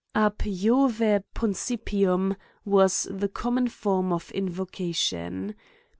Ab Jove fiuncipmm, was the common form of invocation.